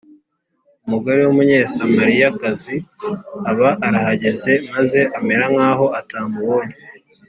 Umugore w’Umunyasamariyakazi aba arahageze, maze amera nk’aho atamubonye